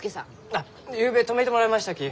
あっゆうべ泊めてもらいましたき！